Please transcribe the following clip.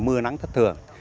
mưa nắng thất thường